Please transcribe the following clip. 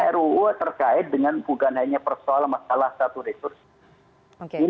ini ruu terkait dengan bukan hanya persoalan masalah dan keuntungan